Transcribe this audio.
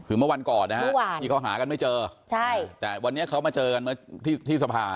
คือเมื่อวันก่อนนะฮะที่เขาหากันไม่เจอใช่แต่วันนี้เขามาเจอกันเมื่อที่สภา